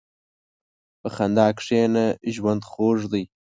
په خندا کښېنه، ژوند خوږ دی.